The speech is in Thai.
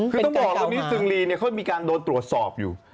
คือต้องบอกตรงนี้ซึงรีเนี่ยเขามีการโดนตรวจสอบอยู่